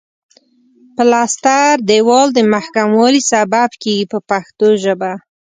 پلستر دېوال د محکموالي سبب کیږي په پښتو ژبه.